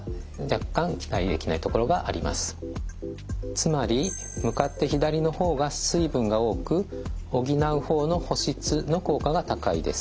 つまり向かって左の方が水分が多く補う方の補湿の効果が高いです。